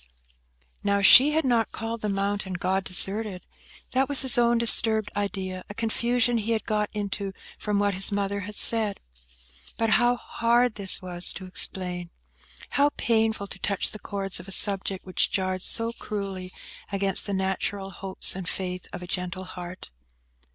Now, she had not called the mountain God deserted. That was his own disturbed idea; a confusion he had got into from what his mother had said. But how hard this was to explain! How painful to touch the chords of a subject which jarred so cruelly against the natural hopes and faith of a gentle heart!